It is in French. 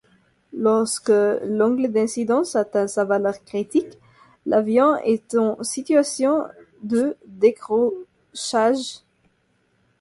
Lorsque l'angle d'incidence atteint sa valeur critique, l'avion est en situation de décrochage.